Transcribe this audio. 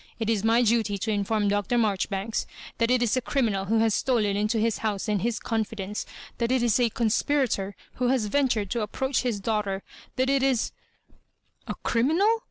It is my duty to inform Dr. Marjoribanks that it is a criminal who has stolen into his house and his confidence— that it is a conspirator who has ventured to approach his daughter ^that it is—" " A'criminal?